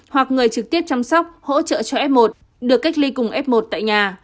hoặc người trực tiếp chăm sóc hỗ trợ cho f một được cách ly cùng f một tại nhà